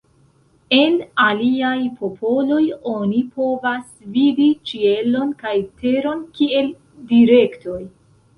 En aliaj popoloj oni povas vidi ĉielon kaj teron kiel direktoj.